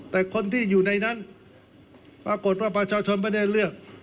แต่คนที่อยู่ในนั้นปรากฏว่าประชาชนไม่ได้เลือก